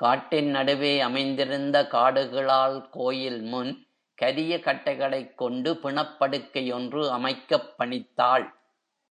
காட்டின் நடுவே அமைந்திருந்த காடுகிழாள் கோயில் முன், கரிய கட்டைகளைக் கொண்டு பிணப் படுக்கை ஒன்று அமைக்கப் பணித்தாள்.